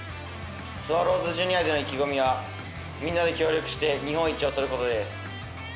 スワローズジュニアでの意気込みはみんなで協力して日本一を取ることです。